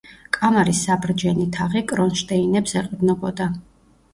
კამარის საბრჯენი თაღი კრონშტეინებს ეყრდნობოდა.